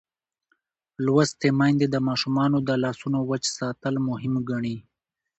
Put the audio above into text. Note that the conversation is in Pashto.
لوستې میندې د ماشومانو د لاسونو وچ ساتل مهم ګڼي.